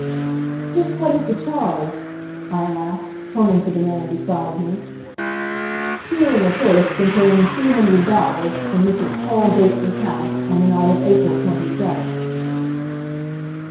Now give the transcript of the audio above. "Just what is the charge?" I asked, turning to the man beside me. "Stealing a purse containing three hundred dollars from Mrs. Paul Gates' house on the night of April twenty seventh."